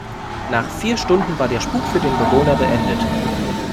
Nach vier Stunden war der Spuk für den Bewohner beendet.